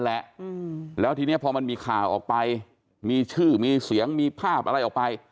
แหละแล้วทีนี้พอมันมีข่าวออกไปมีชื่อมีเสียงมีภาพอะไรออกไป